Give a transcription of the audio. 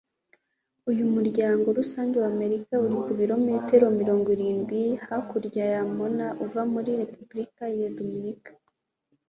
Uyu muryango rusange w’Amerika uri ku bilometero mirongo irindwi hakurya ya Mona uva muri Repubulika ya Dominikani